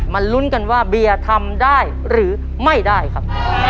ลุ้นกันว่าเบียร์ทำได้หรือไม่ได้ครับ